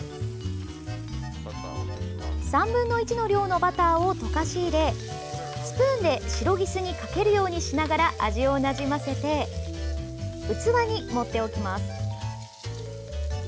３分の１の量のバターを溶かし入れスプーンでシロギスにかけるようにしながら味をなじませて器に盛っておきます。